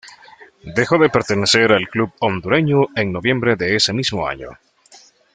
Dejó de pertenecer al club hondureño en noviembre de ese mismo año.